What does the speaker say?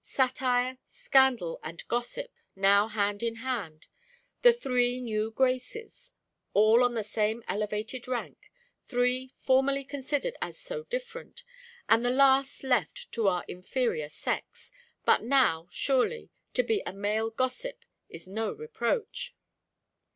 Satire, scandal, and gossip, now hand in hand the three new graces: all on the same elevated rank three, formerly considered as so different, and the last left to our inferior sex, but now, surely, to be a male gossip is no reproach."